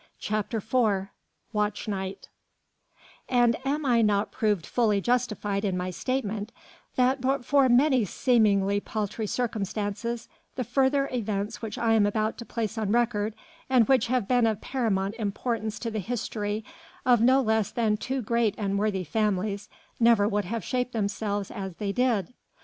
CHAPTER IV WATCH NIGHT And am I not proved fully justified in my statement that but for many seemingly paltry circumstances, the further events which I am about to place on record, and which have been of paramount importance to the history of no less than two great and worthy families, never would have shaped themselves as they did.